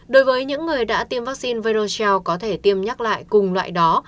đối với những người đã tiêm vaccine viroxel có thể tiêm nhắc lại cùng loại đó